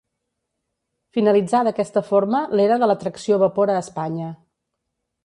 Finalitzà d’aquesta forma l’era de la tracció vapor a Espanya.